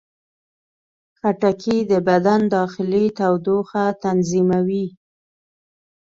خټکی د بدن داخلي تودوخه تنظیموي.